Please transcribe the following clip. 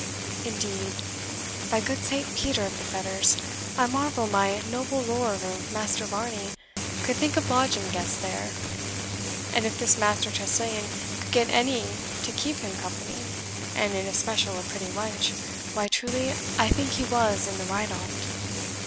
Indeed, by good Saint Peter of the Fetters, I marvel my noble lord, or Master Varney, could think of lodging guests there; and if this Master Tressilian could get any one to keep him company, and in especial a pretty wench, why, truly, I think he was in the right on't."